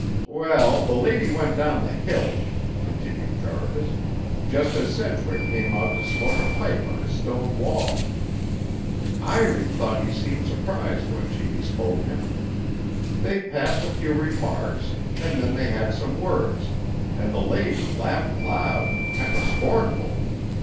"Well, the lady went down the hill," continued Jarvis, "just as Sedgwick come out to smoke a pipe on his stone wall. Iry thought he seemed su'prised when she bespoke him. They passed a few remarks, an' then they had some words, an' the lady laughed loud an' kinder scornful.